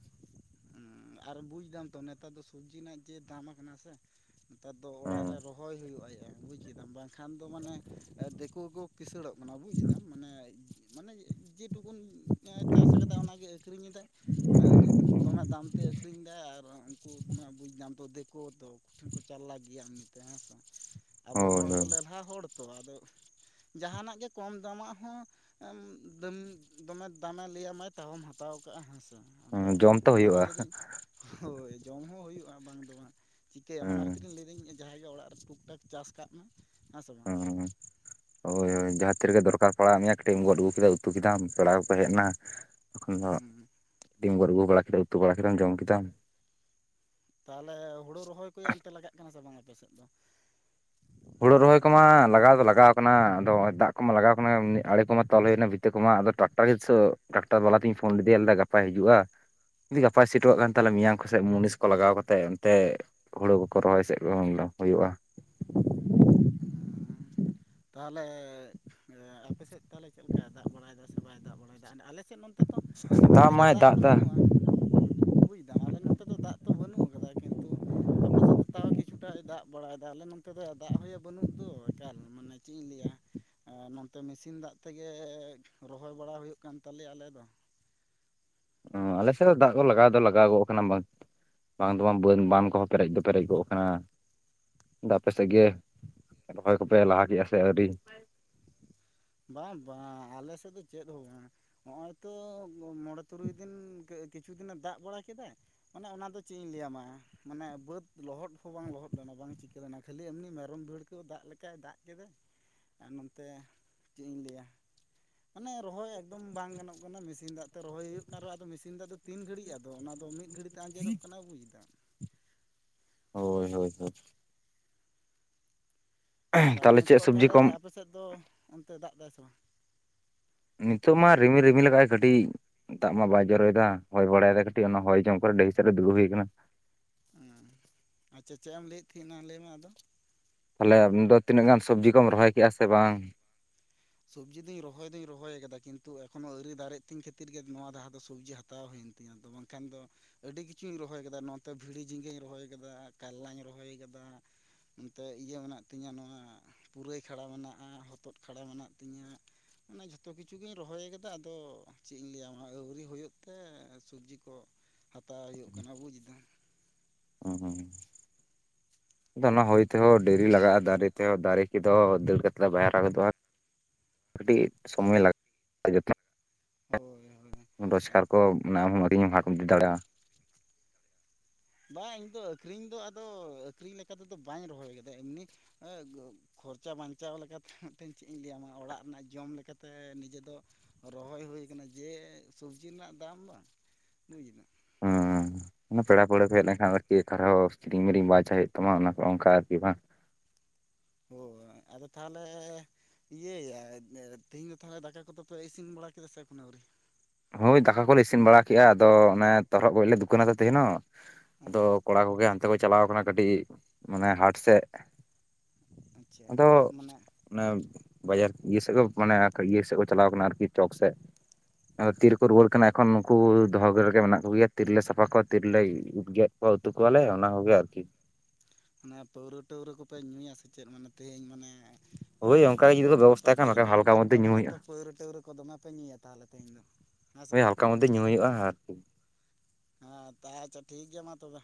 [SPEAKER 1] ᱦᱩᱸ ᱟᱨ ᱵᱩᱡᱫᱟᱢ ᱛᱚ ᱱᱮᱛᱟᱨ ᱫᱚ ᱥᱚᱵᱽᱡᱤ ᱨᱮᱱᱟᱜ ᱡᱮ ᱫᱟᱢ ᱠᱟᱱᱟ ᱥᱮ᱾ ᱱᱮᱛᱟᱨ ᱫᱚ ᱚᱲᱟᱜ
[SPEAKER 2] ᱦᱮᱸ
[SPEAKER 1] ᱨᱮ ᱨᱚᱦᱚᱭ ᱦᱩᱭᱩᱜ-ᱟ, ᱟᱭ ᱵᱩᱡ ᱠᱮᱫᱟᱢ ᱵᱟᱝᱠᱷᱟᱱ ᱫᱚ ᱢᱟᱱᱮ ᱫᱮᱠᱳ ᱠᱚ ᱠᱤᱥᱟᱹᱲᱚᱜ ᱠᱟᱱᱟ ᱵᱩᱡᱽ ᱮᱫᱟᱢ ᱢᱟᱱᱮ ᱢᱟᱱᱮ ᱡᱮ ᱴᱩᱠᱩᱱ ᱪᱟᱥ ᱟᱠᱟᱫᱟ ᱚᱱᱟᱜᱮ ᱟᱠᱷᱨᱤᱧ ᱮᱫᱟᱭ ᱢᱟᱱᱮ ᱟᱹᱰᱤ ᱫᱚᱢᱮ ᱫᱟᱢ ᱛᱮ ᱟᱹᱠᱷᱨᱤᱧ ᱫᱟ ᱟᱨ ᱩᱱᱠᱩ ᱢᱟ ᱵᱩᱡᱽ ᱫᱟᱢ ᱛᱚ ᱫᱮᱠᱩ ᱛᱚ ᱠᱩᱴᱷᱤᱱ ᱠᱚ ᱪᱟᱞᱞᱟᱠ ᱜᱮᱭᱟ ᱮᱢᱱᱤ ᱛᱮᱦᱚᱸ᱾ ᱛᱮ ᱦᱮᱸᱥᱮ, ᱟᱵᱚ ᱦᱚᱲ
[SPEAKER 2] ᱦᱳᱭ
[SPEAKER 1] ᱫᱚ ᱞᱮᱞᱦᱟ ᱦᱚᱲ ᱛᱚ ᱟᱫᱚ ᱡᱟᱦᱟᱱᱟᱜ ᱜᱮ ᱠᱚᱢ ᱫᱟᱢᱟᱜ ᱦᱚᱸ ᱫᱚᱢ ᱫᱚᱢᱮ ᱫᱟᱢᱮ ᱞᱟᱹᱭ ᱟᱢᱟᱭ ᱛᱟᱣᱚᱢ ᱦᱟᱛᱟᱣ ᱦᱟᱛᱟᱣ ᱠᱟᱜᱼᱟ ᱦᱮᱸᱥᱮ ᱟᱫᱚ
[SPEAKER 2] ᱦᱳᱭ ᱡᱚᱢ ᱛᱚ
[SPEAKER 1] ᱚᱱᱟᱛᱮᱧ
[SPEAKER 2] ᱦᱩᱭᱩᱜᱼᱟ
[SPEAKER 1] ᱞᱟᱹᱭᱫᱟᱹᱧ ᱦᱳᱭ ᱡᱚᱢ ᱦᱚᱸ ᱦᱩᱭᱩᱜᱼᱟ ᱵᱟᱝ ᱫᱚ ᱵᱟᱝ ᱪᱤᱠᱟᱹᱭᱟᱢ ᱚᱱᱟ
[SPEAKER 2] ᱦᱮᱸ
[SPEAKER 1] ᱠᱷᱟᱹᱛᱤᱨ ᱞᱟᱹᱭ ᱫᱟᱹᱧ ᱡᱟᱦᱟᱸᱭ ᱜᱮ ᱚᱲᱟᱜ ᱨᱮ ᱴᱩᱠᱼ ᱴᱟᱠ᱾ ᱪᱟᱥ ᱠᱟᱜ ᱢᱮ, ᱦᱮᱸ ᱥᱮ᱾ ᱵᱟᱝ
[SPEAKER 2] [unintelligible] ᱦᱳᱭ ᱦᱳᱭ ᱡᱟᱦᱟᱸ ᱛᱤ ᱨᱮᱜᱮ ᱫᱚᱨᱠᱟᱨ ᱯᱟᱲᱟᱣᱟᱜ ᱢᱮᱭᱟ ᱠᱟᱹᱴᱤᱡ ᱮᱢ ᱜᱚᱱ ᱟᱹᱜᱩ ᱠᱮᱫᱟ ᱩᱛᱩ ᱠᱮᱫᱟᱢ ᱯᱮᱲᱟ ᱠᱚᱠᱚ ᱦᱮᱡ ᱮᱱᱟ᱾ ᱛᱚᱠᱷᱚᱡ ᱫᱚ
[SPEAKER 1] ᱦᱩᱸ
[SPEAKER 2] ᱠᱟᱹᱴᱤᱡ ᱮᱢ ᱜᱚᱱ ᱟᱜᱩ ᱵᱟᱲᱟ ᱠᱮᱫᱟ ᱩᱛᱩ ᱵᱟᱲᱟ ᱠᱮᱫᱟ ᱡᱚᱢ ᱠᱮᱫᱟᱢ᱾
[SPEAKER 1] ᱛᱟᱦᱞᱮ ᱦᱩᱲᱩ ᱨᱚᱦᱚᱭ ᱠᱚᱭᱟ ᱚᱱᱛᱮ ᱞᱟᱜᱟᱜ ᱠᱟᱱᱟ ᱥᱮ ᱵᱟᱝ ᱟᱯᱮ ᱥᱮᱫ ᱫᱚ?
[SPEAKER 2] ᱦᱩᱲᱳ ᱨᱚᱦᱚᱭ ᱠᱚᱢᱟ ᱞᱟᱜᱟᱣ ᱫᱚ ᱞᱟᱜᱟᱣ ᱟᱠᱟᱱᱟ ᱟᱫᱚ ᱱᱚᱜ-ᱚᱭ ᱫᱟᱜ ᱠᱚᱢᱟ ᱞᱟᱜᱟᱣ ᱠᱟᱱᱟ ᱟᱲᱮ ᱠᱚᱢᱟ ᱛᱚᱞ ᱦᱩᱭᱱᱟ ᱵᱷᱤᱛᱟᱹ ᱠᱚᱢᱟ ᱟᱫᱚ ᱴᱟᱠ [unintelligible] ᱴᱟᱠᱴᱟᱨ ᱵᱟᱞᱟ ᱛᱚᱧ ᱯᱷᱳᱱ ᱞᱮᱫᱮᱭᱟ ᱞᱟᱹᱭ ᱫᱟᱭ ᱜᱟᱯᱟᱭ ᱦᱤᱡᱩᱜᱼᱟ᱾ ᱡᱩᱫᱤ ᱜᱟᱯᱟᱭ ᱥᱤ ᱴᱚ ᱠᱟᱜ ᱠᱷᱟᱱ ᱛᱟᱦᱚᱞᱮ ᱢᱮᱭᱟᱝ ᱠᱚᱥᱮᱫ ᱢᱩᱱᱤᱥ ᱠᱚ ᱞᱟᱜᱟᱣ ᱠᱟᱛᱮᱱ ᱚᱱᱛᱮ ᱦᱩᱲᱩ ᱠᱚᱠᱚ ᱨᱚᱦᱚᱭ ᱥᱮᱫ ᱦᱚᱸᱱ ᱦᱩᱭᱩᱜᱼᱟ᱾ [unintelligible]
[SPEAKER 1] ᱦᱩᱸᱻ᱾ ᱛᱟᱦᱞᱮ ᱟᱯᱮᱥᱮᱫ ᱛᱟᱦᱞᱮ ᱪᱮᱫ ᱞᱮᱠᱟᱭ ᱫᱟᱜ ᱵᱟᱲᱟᱭᱮᱫᱟ ᱥᱮ ᱵᱟᱭ ᱫᱟᱜ ᱵᱟᱲᱟᱭᱮᱫᱟ, ᱟᱞᱮ ᱥᱮᱱ ᱱᱚᱱᱛᱮ ᱛᱚ ᱮᱢᱱᱤ ᱛᱮᱜᱮ ᱫᱟᱜ ᱛᱚ ᱵᱟᱹᱱᱩᱜᱼᱟ᱾ ᱵᱩᱡᱽ ᱫᱟᱢ ᱟᱞᱮ ᱱᱚᱛᱮ ᱫᱚ ᱫᱟᱜ ᱛᱚ ᱵᱟᱹᱱᱩᱜ ᱠᱟᱫᱟ ᱠᱤᱱᱛᱩ ᱟᱯᱮ ᱥᱮᱫ ᱫᱚ ᱛᱟᱣ ᱠᱤᱪᱷᱩᱴᱟᱭ ᱫᱟᱜ ᱵᱟᱲᱟᱭᱮᱫᱟ ᱟᱞᱮ ᱱᱚᱱᱛᱮ ᱫᱚ ᱫᱟᱜ ᱦᱚᱭᱟ ᱵᱟᱹᱱᱩᱜ ᱫᱚ ᱮᱠᱟᱞ ᱢᱟᱱᱮ ᱪᱮᱜ ᱤᱧ ᱞᱟᱹᱭᱟ᱾ ᱱᱚᱱᱛᱮ ᱢᱮᱥᱤᱱ ᱫᱟᱜ ᱛᱮᱜᱮ ᱨᱚᱦᱚᱭ ᱵᱟᱲᱟ ᱦᱩᱭᱩᱜ ᱠᱟᱱ ᱛᱟᱞᱮᱭᱟ ᱟᱞᱮ ᱫᱚ᱾
[SPEAKER 2] ᱚ ᱟᱞᱮᱥᱮᱫ ᱫᱚ ᱫᱟᱜ ᱫᱚ ᱞᱟᱜᱟᱣ ᱫᱚ ᱞᱟᱜᱟᱣ ᱜᱚᱜ ᱠᱟᱱᱟ ᱵᱟᱝ ᱵᱟᱝ ᱫᱳᱣᱟᱢ ᱵᱳᱱ ᱵᱟᱱ ᱠᱚᱦᱚᱸ ᱯᱮᱨᱮᱡ ᱫᱚ ᱯᱮᱨᱮᱡ ᱠᱚᱜ ᱠᱟᱱᱟ ᱫᱟ ᱟᱯᱮ ᱥᱮᱜ ᱜᱮ ᱾ ᱨᱚᱦᱚᱭ ᱠᱚᱯᱮ ᱞᱟᱦᱟ ᱠᱮᱜᱼᱟ ᱥᱮ ᱟᱹᱣᱨᱤ?
[SPEAKER 1] ᱵᱟᱝ ᱵᱟᱝ ᱟᱞᱮ ᱥᱮᱫ ᱫᱚ ᱪᱮᱫ ᱦᱚᱸ ᱵᱟᱝ ᱾ ᱦᱚᱸᱜᱚᱭ ᱛᱚ ᱢᱚᱬᱮ ᱛᱩᱨᱩᱭ ᱫᱤᱱ ᱠᱟᱜ ᱠᱤᱪᱷᱩ ᱫᱤᱱᱮ ᱫᱟᱜ ᱵᱟᱲᱟ ᱠᱮᱫᱟ ᱚᱱᱮ ᱚᱱᱟᱫᱚ ᱪᱮᱜ ᱤᱧ ᱞᱮᱭ ᱭᱟᱢᱟ - ᱢᱟᱱᱮ ᱵᱟᱹᱫ ᱞᱚᱦᱚᱫ ᱦᱚᱸ ᱵᱟᱝ ᱞᱚᱦᱚᱫ ᱞᱮᱱᱟ ᱵᱟᱝ ᱪᱤᱠᱟᱹ ᱞᱮᱱᱟ ᱠᱷᱟᱹᱞᱤ ᱮᱢᱱᱤ ᱢᱮᱨᱚᱢ ᱵᱟᱲᱠᱟᱹ ᱫᱟᱜ ᱞᱮᱠᱟᱭ ᱫᱟᱜ ᱠᱮᱫᱟ ᱾ ᱟᱨ ᱱᱚᱱᱛᱮ ᱪᱮᱫ ᱤᱧ ᱞᱮᱭᱟ ᱢᱟᱱᱮ ᱨᱚᱦᱚᱭ ᱮᱠᱫᱚᱢ ᱵᱟᱝ ᱜᱟᱱᱚᱜ ᱠᱟᱱᱟ ᱢᱮᱥᱤᱱ ᱫᱟᱜ ᱛᱮ ᱨᱚᱦᱚᱭ ᱦᱩᱭᱩᱜ ᱠᱟᱱ ᱨᱮᱦᱚᱸ ᱟᱫᱚ ᱢᱮᱥᱤᱱ ᱫᱟᱜ ᱫᱚ ᱛᱤᱱ ᱜᱷᱟᱹᱲᱤᱡ ᱟᱫᱚ ᱚᱱᱟᱫᱚ ᱢᱤᱫ ᱜᱷᱟᱹᱲᱤᱜ ᱫᱟ ᱟᱸᱡᱮᱫᱚᱜ ᱠᱟᱱᱟ ᱧᱩᱭ ᱫᱟ
[SPEAKER 2] ᱦᱳᱭ ᱦᱳᱭ ᱦᱳ ᱾
[SPEAKER 1] ᱛᱟᱦᱞᱮ
[SPEAKER 2] ᱛᱟᱦᱚᱞᱮ ᱪᱮᱫ
[SPEAKER 1] ᱱᱤᱛᱳᱜᱼᱟ
[SPEAKER 2] ᱥᱚᱵᱽᱡᱤ
[SPEAKER 1] ᱛᱟᱦᱞᱮ
[SPEAKER 2] ᱠᱚᱢ
[SPEAKER 1] ᱟᱯᱮ ᱥᱮᱫ ᱫᱚ ᱚᱱᱛᱮ ᱫᱟᱜ ᱫᱟᱭ ᱥᱮ ᱵᱟᱝ?
[SPEAKER 2] ᱱᱤᱛᱚᱜ ᱢᱟ ᱨᱤᱢᱤᱞ ᱨᱤᱢᱤᱞ ᱠᱟᱜᱟᱭ ᱠᱟᱹᱴᱤᱜ ᱫᱟᱜ ᱢᱟ ᱵᱟᱭ ᱡᱚᱨᱚᱭᱫᱟ ᱦᱚᱭ ᱵᱟᱲᱟᱭᱮᱫᱟ ᱠᱟ ᱠᱟᱹᱴᱤᱜ ᱚᱱᱟ ᱦᱚᱭ ᱡᱚᱢ ᱠᱚᱨᱮ ᱰᱟᱹᱦᱤ ᱥᱮᱜ ᱨᱮ ᱫᱩᱲᱩᱵ ᱦᱩᱭ ᱠᱟᱱᱟ ᱾
[SPEAKER 1] ᱩᱸ ᱟᱪᱪᱷᱟ ᱪᱮᱜ ᱮᱢ ᱞᱮᱹᱭᱮᱫ ᱛᱟᱦᱤᱫ ᱞᱮᱹᱭ ᱢᱮ ᱟᱫᱚ
[SPEAKER 2] ᱛᱟᱦᱞᱮ ᱟᱢᱫᱚ ᱛᱤᱱᱟᱹᱜ ᱜᱟᱱ ᱥᱚᱵᱡᱤ ᱠᱚᱢ ᱨᱚᱦᱚᱭ ᱠᱮᱫᱟ ᱥᱮ ᱵᱟᱝ?
[SPEAKER 1] ᱥᱚᱵᱽᱡᱤ ᱫᱩᱧ ᱨᱚᱦᱚᱭ ᱫᱩᱧ ᱨᱚᱦᱚᱭ ᱠᱟᱫᱟ ᱠᱤᱱᱛᱩ ᱮᱠᱷᱚᱱᱚ ᱟᱹᱣᱨᱤ ᱫᱟᱨᱮᱜ ᱛᱤᱧ ᱠᱷᱟᱹᱛᱤᱨ ᱜᱮ ᱱᱚᱣᱟ ᱞᱟᱦᱟ ᱫᱚ ᱥᱚᱵᱽᱡᱤ ᱦᱟᱛᱟᱣ ᱦᱩᱭᱮᱱᱼᱼ ᱛᱤ ᱟᱫᱚ ᱵᱟᱝᱠᱷᱟᱱ ᱫᱚᱼᱼ ᱟᱹᱰᱤ ᱠᱤᱪᱷᱩᱧ ᱨᱚᱦᱚᱭ ᱠᱟᱫᱟ ᱱᱚᱛᱮ ᱵᱷᱤᱲᱤ ᱡᱷᱤᱸᱜᱟᱹᱧ ᱨᱚᱦᱚᱭ ᱠᱟᱫᱟ ᱠᱟᱞᱞᱟᱧ ᱨᱚᱦᱚᱭ ᱠᱟᱫᱟ᱾ ᱚᱱᱛᱮ ᱤᱭᱟᱹ ᱢᱮᱱᱟᱜ ᱛᱤᱧᱟᱹ ᱱᱚᱣᱟ ᱯᱩᱨᱟᱹᱭ ᱠᱷᱟᱰᱟ ᱢᱮᱱᱟᱜ-ᱟ ᱦᱚᱛᱚᱫ ᱠᱷᱟᱰᱟ ᱢᱮᱱᱟᱜ ᱛᱤᱧᱟᱹᱜ ᱢᱟᱱᱮ ᱡᱚᱛᱚ ᱠᱤᱪᱷᱩ ᱜᱤᱧ ᱨᱚᱦᱚᱭ ᱠᱟᱫᱟ ᱟᱫᱚ ᱪᱮᱜ ᱤᱧ ᱞᱟᱹᱭᱟ ᱢᱟ ᱟᱹᱣᱨᱤ ᱦᱩᱭᱩᱜ ᱛᱮ ᱮ ᱥᱩᱵᱽᱡᱤ ᱠᱚᱼᱼ ᱦᱟᱛᱟᱣ ᱦᱩᱭᱩᱜ ᱠᱟᱱᱟ ᱵᱩᱡᱽ ᱫᱟᱢ᱾
[SPEAKER 2] ᱚ ᱦᱩᱸ ᱟᱫᱚ ᱚᱱᱟ ᱦᱚᱭ ᱛᱮᱦᱚᱸ ᱰᱮᱨᱤ ᱞᱟᱜᱟᱜ-ᱟ ᱫᱟᱨᱮᱼᱼ ᱛᱮᱦᱚᱸ ᱫᱟᱨᱮ ᱠᱮᱫᱚ ᱫᱟᱹᱲ ᱠᱟᱛᱮᱜ ᱵᱟᱭ ᱦᱟᱨᱟ ᱜᱚᱫᱚᱜ-ᱟ ᱠᱟᱹᱴᱤᱡ ᱥᱚᱢᱚᱭ ᱞᱟᱼᱼ ᱛᱮᱡᱚ ᱛᱮ
[SPEAKER 1] ᱦᱳᱭ ᱦᱳᱭ
[SPEAKER 2] [unintelligible] ᱨᱳᱡᱽᱠᱟᱨ ᱠᱚ ᱱᱟᱢ ‌ᱟᱹᱰᱤ ᱢᱮᱢᱟ ᱦᱟ ᱫᱟᱲᱮᱜ-ᱟ᱾
[SPEAKER 1] ᱵᱟᱝ ᱤᱧ ᱫᱚ ᱟᱹᱠᱷᱨᱤᱧ ᱫᱚ ᱟᱫᱚ ᱟᱹᱠᱷᱨᱤᱧ ᱞᱮᱠᱟ ᱛᱮᱫᱚ ᱵᱟᱧ ᱨᱚᱦᱚᱭ ᱠᱟᱫᱟ ᱮᱢᱱᱤ ᱚᱸᱜ ᱜᱚᱼᱼ ᱠᱷᱚᱨᱪᱟ ᱵᱟᱧᱪᱟᱣ ᱞᱮᱠᱟ ᱛᱮ ᱛᱮᱧ ᱪᱮᱜ ᱤᱧ ᱞᱟᱹᱭᱟ ᱢᱟ ᱚᱲᱟᱜ ᱨᱮᱱᱟᱜ ᱡᱚᱢ ᱞᱮᱠᱟ ᱛᱮ ᱱᱤᱡᱮ ᱫᱚᱼᱼ ᱨᱚᱦᱚᱭ ᱦᱩᱭ ᱠᱟᱱᱟ ᱡᱮ ᱥᱚᱵᱽᱡᱤ ᱨᱮᱱᱟᱜ ᱫᱟᱢ ᱵᱟᱝ ᱵᱩᱡᱽ ᱫᱟᱢ᱾
[SPEAKER 2] ᱦᱩᱸᱻ᱾ ᱚᱱᱟ ᱯᱮᱲᱟ ᱯᱟᱹᱣᱲᱟᱹ ᱠᱚ ᱦᱮᱡ ᱞᱮᱱᱠᱷᱟᱜ ᱟᱨ ᱠᱤ ᱠᱷᱟᱨᱟᱯ‌‌ ᱚᱵᱚᱥ ᱠᱤᱨᱤᱧ ᱢᱤᱨᱤᱧ ᱵᱟᱝ ᱪᱟᱞᱟ ᱦᱩᱭᱩᱜ ᱛᱟᱢᱟ ᱚᱱᱟ ᱠᱟ ᱚᱱᱠᱟ ᱟᱨᱠᱤ ᱵᱟᱝ᱾
[SPEAKER 1] ᱦᱳᱭ ᱟᱫᱚ ᱛᱟᱦᱚᱞᱮ ᱤᱭᱟᱹ ᱭᱟ ᱮᱸᱫᱽ ᱮᱸᱫ ᱛᱤᱦᱤᱧ ᱫᱚ ᱛᱟᱦᱚᱞᱮ ᱫᱟᱠᱟ ᱠᱚᱫᱚ ᱯᱮ ᱤᱥᱤᱱ ᱵᱟᱲᱟ ᱠᱮᱫᱟ ᱥᱮ ᱮᱠᱷᱚᱱᱚ ᱟᱹᱣᱨᱤ?
[SPEAKER 2] ᱦᱳᱭ ᱫᱟᱠᱟ ᱠᱚᱞᱮ ᱤᱥᱤᱱ ᱵᱟᱲᱟ ᱠᱮᱜ-ᱟ ᱟᱫᱚ ᱚᱱᱮ ᱛᱚᱨᱦᱚᱜ ᱜᱚᱹᱭ ᱞᱮ ᱫᱩᱠᱟᱹᱱᱟ ᱛᱚ ᱛᱮᱦᱮᱱ ᱦᱚᱸ
[SPEAKER 1] ᱦᱮᱸ
[SPEAKER 2] ᱟᱫᱚᱼᱼ ᱠᱚᱲᱟ ᱠᱚᱜᱮ ᱦᱟᱱᱛᱮ ᱠᱚ ᱪᱟᱞᱟᱣ ᱠᱟᱱᱟ ᱠᱟᱹᱴᱤᱜ ᱢᱟᱱᱮ ᱦᱟᱴ ᱥᱮᱜ᱾
[SPEAKER 1] ᱟᱪᱪᱷᱟ
[SPEAKER 2] ᱟᱫᱚᱼᱼ
[SPEAKER 1] ᱢᱟᱱᱮ
[SPEAKER 2] ᱚᱱᱮ ᱵᱟᱡᱟᱨ ᱤᱭᱟᱹ ᱥᱮᱜ ᱠᱚ ᱢᱟᱱᱮ ᱠᱚ ᱤᱭᱟᱹ ᱥᱮᱜ ᱠᱚ ᱪᱟᱞᱟᱣ ᱠᱟᱱᱟ ᱟᱨ ᱠᱤ ᱪᱚᱠ ᱥᱮᱜ᱾ ᱟᱨ ᱛᱤᱨᱮ ᱠᱚ ᱨᱩᱣᱟᱹᱲ ᱠᱟᱱᱟ
[SPEAKER 1] ᱚᱱᱟ
[SPEAKER 2] ᱮᱠᱷᱚᱱᱼᱼ ᱠᱩ ᱫᱚᱦᱚ ᱜᱮ ᱨᱮᱜᱮ ᱢᱮᱱᱟᱜ ᱠᱳᱜᱮᱭᱟ ᱛᱤᱨᱮ ᱞᱮ ᱥᱟᱯᱷᱟ ᱠᱚᱣᱟ ᱛᱤ ᱨᱮᱞᱮ ᱜᱮᱼᱜᱮᱫ ᱠᱚᱣᱟ ᱩᱛᱩ ᱠᱚᱣᱟ ᱞᱮ ᱚᱱᱟ ᱠᱚᱜᱮ ᱟᱨ ᱠᱤ᱾
[SPEAKER 1] ᱢᱟᱱᱮ ᱯᱟᱹᱣᱨᱟᱹ ᱴᱟᱹᱣᱨᱟᱹ ᱠᱚᱯᱮ ᱧᱩᱭᱟ ᱥᱮ ᱪᱮᱜ ᱢᱟᱱᱮ ᱛᱮᱦᱮᱧ ᱢᱟᱱᱮ?
[SPEAKER 2] ᱦᱳᱭ
[SPEAKER 1] ᱮᱸ
[SPEAKER 2] ᱚᱱᱠᱟ ᱜᱮ ᱡᱩᱫᱤ ᱠᱚ
[SPEAKER 1] ᱛᱚᱨᱚᱦᱚᱜ ᱠᱚᱯᱮ
[SPEAKER 2] ᱵᱮᱵᱚᱥᱛᱷᱟ ᱠᱷᱟᱱ
[SPEAKER 1] ᱜᱚᱹᱭ
[SPEAKER 2] ᱵᱟᱠᱷᱟᱱ
[SPEAKER 1] ᱟᱹᱜᱩᱣ
[SPEAKER 2] ᱦᱟᱞᱠᱟ
[SPEAKER 1] ᱠᱟᱜ
[SPEAKER 2] ᱢᱚᱫᱽᱫᱷᱮ
[SPEAKER 1] ᱠᱚᱣᱟ
[SPEAKER 2] ᱧᱩ
[SPEAKER 1] ᱢᱟᱱᱮ
[SPEAKER 2] ᱦᱩᱭᱩᱜᱼᱟ
[SPEAKER 1] ᱛᱚ ᱯᱟᱹᱣᱨᱟᱹ ᱴᱟᱹᱣᱨᱟᱹ ᱠᱚ ᱫᱚᱢᱮ ᱯᱮ ᱧᱩᱭᱟ ᱛᱟᱦᱚᱞᱮ ᱛᱮᱦᱮᱧ ᱫᱚ᱾ ᱦᱮᱸ ᱥᱮ
[SPEAKER 2] ᱦᱳᱭ
[SPEAKER 1] ᱵᱟᱝ
[SPEAKER 2] ᱦᱟᱞᱠᱟ ᱢᱚᱫᱽᱫᱷᱮ ᱧᱩ ᱦᱩᱭᱩᱜ-ᱟ ᱟᱨ ᱠᱤ᱾
[SPEAKER 1] ᱦᱮᱸ ‌ᱛᱟ ᱟᱪᱪᱷᱟ ᱴᱷᱤᱠ ᱜᱮᱭᱟ ᱢᱟ ᱛᱚᱵᱮ᱾